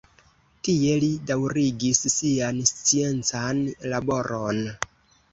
Tie li daŭrigis sian sciencan laboron.